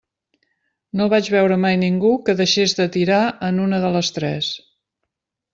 No vaig veure mai ningú que deixés de tirar en una de les tres.